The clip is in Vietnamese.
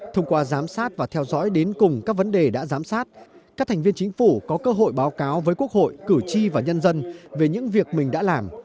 thông qua giám sát và theo dõi đến cùng các vấn đề đã giám sát các thành viên chính phủ có cơ hội báo cáo với quốc hội cử tri và nhân dân về những việc mình đã làm